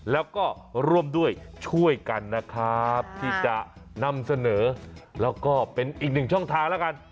แล้วก็ร่วมด้วยช่วยกันนะครับที่จะนำเสนอแล้วก็เป็นอีกหนึ่งช่องทางแล้วกัน